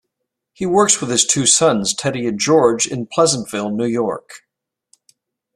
He works with his two sons Teddy and George in Pleasantville, New York.